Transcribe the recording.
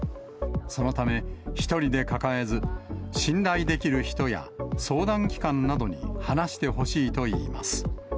そのため、１人で抱えず、信頼できる人や、相談機関などに話してほしいといいます。